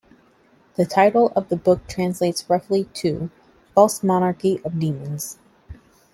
The title of the book translates roughly to "false monarchy of demons".